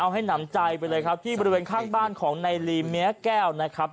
เอาให้หนำใจไปเลยครับที่บริเวณข้างบ้านของนายลีเมียแก้วนะครับ